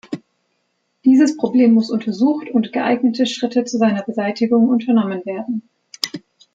Dieses Problem muss untersucht und geeignete Schritte zu seiner Beseitigung unternommen werden.